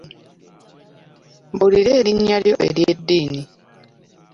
Mbuulira erinnya lyo ery'eddiini.